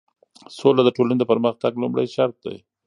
سوله د ټولنې د پرمختګ لومړی شرط دی.